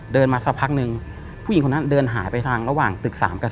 มาสักพักนึงผู้หญิงคนนั้นเดินหายไปทางระหว่างตึก๓กับ